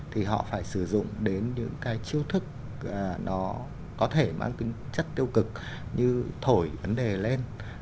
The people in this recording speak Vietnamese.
thì họ phải sử dụng đến những cái chiêu thức nó có thể mang tính chất tiêu cực như thổi vấn đề lên